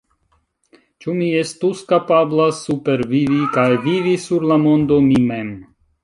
Ĉu mi estus kapabla supervivi kaj vivi sur la mondo mi mem?